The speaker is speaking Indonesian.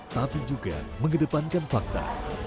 tapi juga mengedepankan fakta